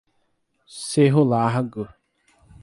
Cerro Largo